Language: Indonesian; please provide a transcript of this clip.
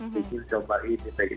bikin coba ini begitu